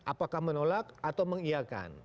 apakah menolak atau mengiakan